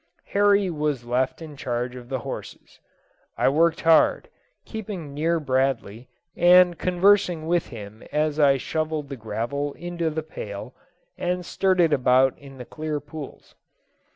Horry was left in charge of the horses. I worked hard, keeping near Bradley, and conversing with him as I shovelled the gravel into the pail, and stirred it about in the clear pools.